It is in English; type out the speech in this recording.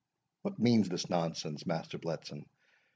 "What means this nonsense, Master Bletson?